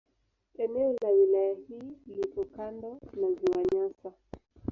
Eneo la wilaya hii liko kando la Ziwa Nyasa.